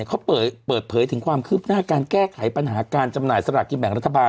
เขาเปิดเผยถึงความคืบหน้าการแก้ไขปัญหาการจำหน่ายสลากกินแบ่งรัฐบาล